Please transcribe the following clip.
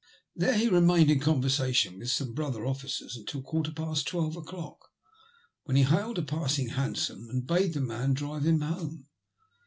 There he re mained in conversation with some brother officers until a quarter past twelve o*clock, when he hailed a passing hansom and bade the man drive him home.